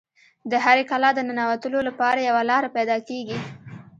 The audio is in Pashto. د هرې کلا د ننوتلو لپاره یوه لاره پیدا کیږي